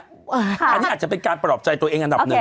อันนี้อาจจะเป็นการปลอบใจตัวเองอันดับหนึ่ง